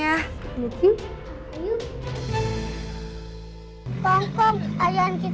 yaudah tuh jangan lama lama ya sayang ya